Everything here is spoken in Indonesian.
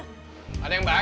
ada yang bayar